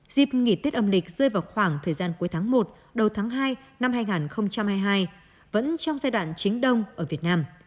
dịp nghỉ tết âm lịch rơi vào khoảng thời gian cuối tháng một đầu tháng hai năm hai nghìn hai mươi hai vẫn trong giai đoạn chính đông ở việt nam